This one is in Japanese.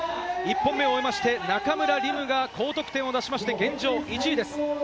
１本目を終えて中村輪夢が高得点を出しまして、現状１位です。